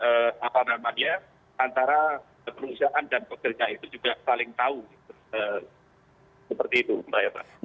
seperti itu mbak eva